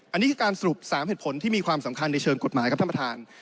อันนี้คือการสรุป๓เหตุผลที่มีความสำคัญในเชิงกฎหมายครับท่านประธาน